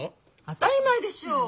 当たり前でしょう。